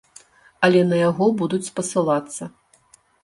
Але на яго будуць спасылацца.